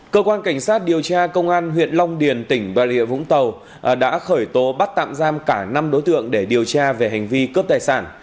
cơ quan cảnh sát điều tra công an huyện long điền tỉnh bà rịa vũng tàu đã khởi tố bắt tạm giam cả năm đối tượng để điều tra về hành vi cướp tài sản